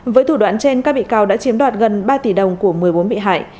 với thủ đoạn trên các bị cáo đã chiếm đoạt gần ba tỷ đồng của một mươi bốn bị hại